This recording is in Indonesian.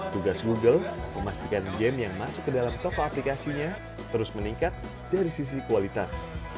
tugas google memastikan game yang masuk ke dalam toko aplikasinya terus meningkat dari sisi kualitas